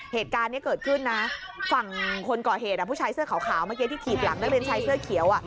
เหตุการณ์นี้เกิดขึ้นนะฝั่งคนก่อเหตุผู้ชายเสื้อขาวเมื่อกี้ที่ถีบหลังนักเรียนชายเสื้อเขียว